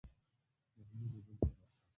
محموده دلته راسه!